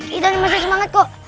kita masih semangat kok